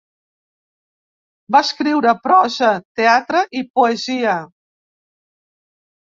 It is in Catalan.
Va escriure prosa, teatre i poesia.